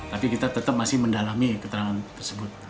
tapi kita tetap masih mendalami keterangan tersebut